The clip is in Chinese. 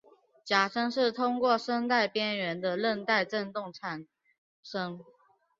假声是通过声带边缘的韧带振动产生。